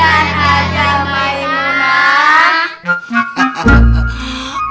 dan hadiah maimu nak